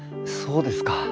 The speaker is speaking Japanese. そうですか。